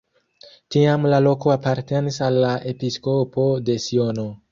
Tiam la loko apartenis al la episkopo de Siono.